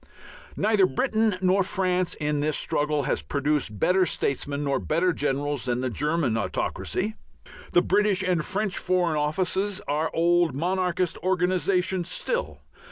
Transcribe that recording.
Neither Britain nor France in this struggle has produced better statesmen nor better generals than the German autocracy. The British and French Foreign Offices are old monarchist organizations still.